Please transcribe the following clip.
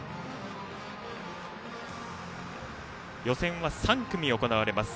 予選は３組、行われます。